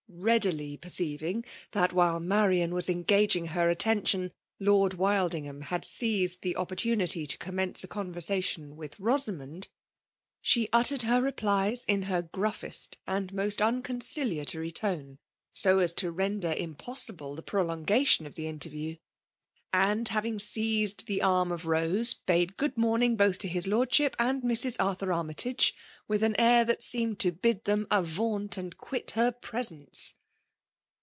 Beadily perceiving that while Marian was engaging her attention. Lord Wildingham had seized the opportunity tD commence a conversation with Rosamond^ she uttered her replies in her gruffrait and most unconciliatory tone, so as to render im F^MAtE DOMINATION. 149 possible the prolongation of the interview \ and, having seized the arm of Rose, bade good morning both to his lordship and Mrs. Arthur Armytage, with an air that seemed to bid them avaunt and quit her presence.